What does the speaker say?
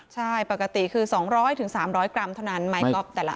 ใช่ปกติคือสองร้อยถึงสามร้อยกรัมเท่านั้นไม้กอล์ฟแต่ละอัน